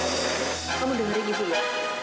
amirah kamu dengerin ibu ya